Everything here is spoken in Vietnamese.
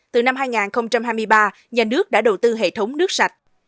từ năm hai nghìn hai mươi ba nhà nước đã đầu tư hệ thống nước sạch